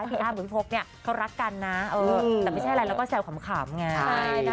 พี่อ้ำและพี่พกเขารักกันนะแต่ไม่ใช่ไรแล้วก็แซวขำไง